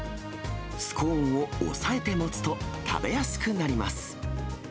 スコーンを押さえて持つと、食べやすくなります。